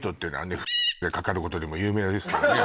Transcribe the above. ○○○でかかることでも有名ですからね